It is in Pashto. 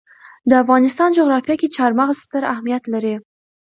د افغانستان جغرافیه کې چار مغز ستر اهمیت لري.